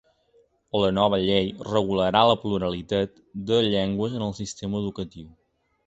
La nova llei regularà la pluralitat de llengües en el sistema educatiu.